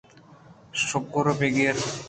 شُگر بِہ گر